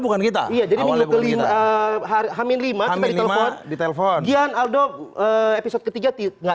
bukan kita iya jadi minggu kelima hari hamin lima di telpon di telpon gian aldo episode ketiga tidak